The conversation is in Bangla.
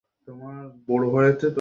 স্টক কেনা, অফশোর অ্যাকাউন্ট, সবকিছুই।